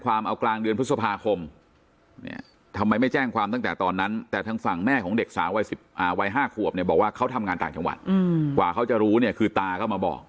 เพราะฉะนั้นทางฝั่งของเด็กชายวัย๑๖เนี่ย